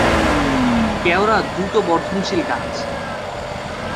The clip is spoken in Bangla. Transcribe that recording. কেওড়া দ্রুত বর্ধনশীল গাছ।